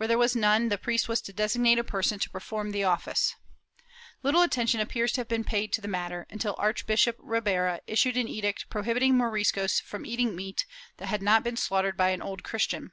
382 MOBISCOS [Book VIH there was none, the priest was to designate a person to perform the office/ Little attention appears to have been paid to the matter, until Archbishop Ribera issued an edict prohibiting Moriscos from eating meat that had not been slaughtered by an Old Christian.